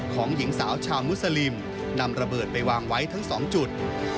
หญิงสาวชาวมุสลิมนำระเบิดไปวางไว้ทั้ง๒จุด